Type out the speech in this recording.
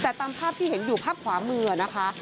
แต่ตามภาพที่เห็นอยู่ภาพขวามือนะคะ